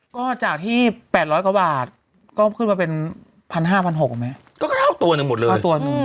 ก็จากที่๘๐๐กว่าบาทก็ขึ้นมาเป็น๑๕๐๐๑๖๐๐บาทแม่ก็เข้าตัวนึงหมดเลย